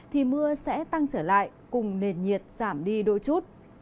thì mưa sẽ tăng trở lại cùng nền nhiệt giảm đi đôi chút